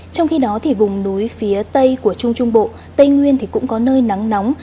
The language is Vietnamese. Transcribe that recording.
trong khi đó thì vùng núi phía tây của trung trung bộ tây nguyên thì cũng có nơi nắng nóng